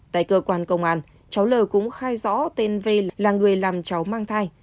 tại cơ quan công an cháu l cũng khai rõ tên v là người làm cháu mang thai